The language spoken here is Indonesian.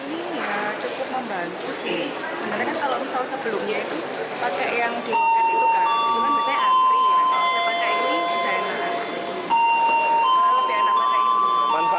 ini ya cukup membantu sih